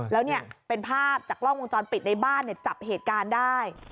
แล้วเนี่ยเป็นภาพจากกล้องวงจรปิดในบ้านจับเหตุการณ์ได้